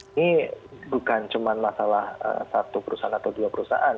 ini bukan cuma masalah satu perusahaan atau dua perusahaan